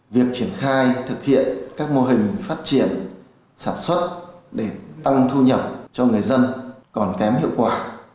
việc triển khai thực hiện các mô hình phát triển sản xuất để tăng thu nhập cho người dân còn kém hiệu quả